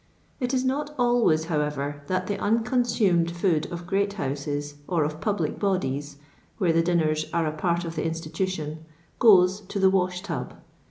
It is not always, however, that the nnconiumed food of great houses or of public bodies (where the dinners are a part of the institution) goes to the wash tub.